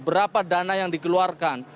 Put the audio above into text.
berapa dana yang dikeluarkan